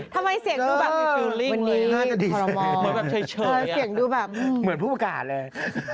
ทำไมเสียงดูแบบวันนี้คอรมอร์เหมือนผู้ประกาศเลย